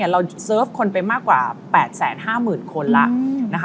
เราเซิร์ฟคนไปมากกว่า๘๕๐๐๐คนแล้ว